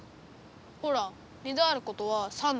ほら二度あることは三度ある。